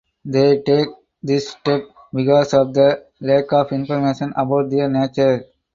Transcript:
They take this step because of the lack of information about their nature.